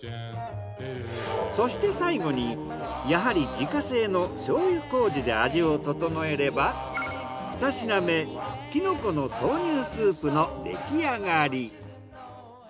そして最後にやはり自家製の醤油麹で味を調えれば２品目キノコの豆乳スープのできあがり。